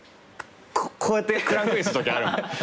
こうやってクランクインしたときあるもん。